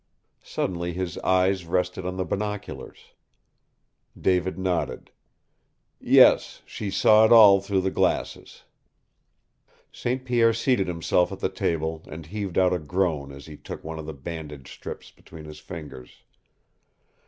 Suddenly his eyes rested on the binoculars. David nodded. "Yes, she saw it all through the glasses." St. Pierre seated himself at the table and heaved out a groan as he took one of the bandage strips between his fingers.